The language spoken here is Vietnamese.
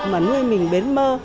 mà nuôi mình bến mơ